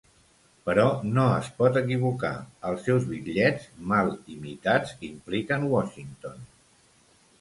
Però no es pot equivocar, els seus bitllets mal imitats impliquen Washington!